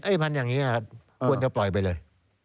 พันธุ์อย่างนี้ควรจะปล่อยไปเลย